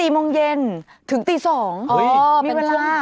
๔โมงเย็นถึงตี๒เป็นเวลา